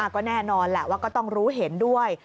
ก็แน่นอนแหละว่าก็ต้องรู้เห็นด้วย